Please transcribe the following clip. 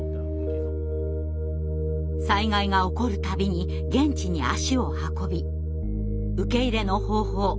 災害が起こる度に現地に足を運び受け入れの方法